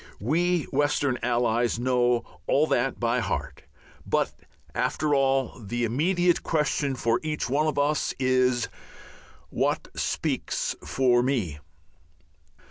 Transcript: We Western allies know all that by heart; but, after all, the immediate question for each one of us is, "_What speaks for me?